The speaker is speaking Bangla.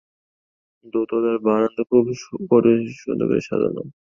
দোতলার বারান্দা সুন্দর করে সাজানো!